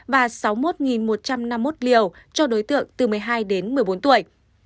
và sáu mươi một một trăm năm mươi một liều cho đối tượng từ một mươi hai đến một mươi bốn tuổi